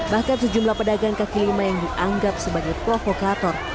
bahkan sejumlah pedagang kaki lima yang dianggap sebagai provokator